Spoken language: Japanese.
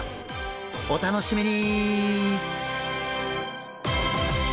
お楽しみに！